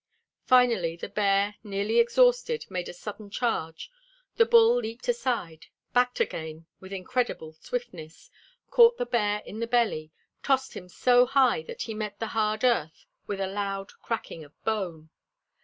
Finally the bear, nearly exhausted, made a sudden charge, the bull leaped aside, backed again with incredible swiftness, caught the bear in the belly, tossed him so high that he met the hard earth with a loud cracking of bone.